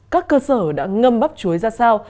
các cơ sở đã ngâm bắp chuối ra sao